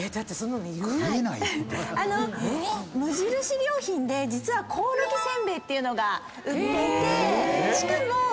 良品で実はコオロギせんべいっていうのが売っていてしかも。